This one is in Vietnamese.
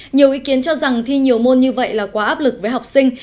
nhiều ý kiến cho rằng thi nhiều môn như vậy là quá áp lực với học sinh